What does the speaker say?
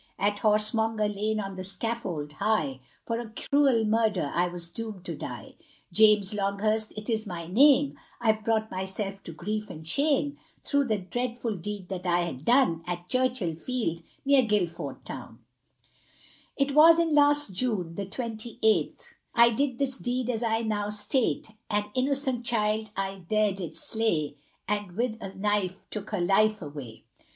At Horsemonger lane on the scaffold high, For a cruel murder I was doomed to die. James Longhurst, it is my name, I've brought myself to grief & shame Through the dreadful deed that I had done, At Churchill field, near Guildford town It was in last June, the twenty eighth I did this deed as I now state; An innocent child I there did slay, And with a knife took her life away.